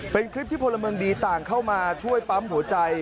เป็นคลิปที่พลเมืองดีต่างเข้ามาช่วยปั๊มหัวใจ